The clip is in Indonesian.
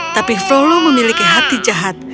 tapi flau lau memiliki hati jahat